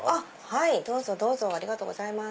はいどうぞどうぞ！ありがとうございます。